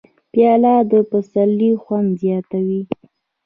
پیاله د پسرلي خوند زیاتوي.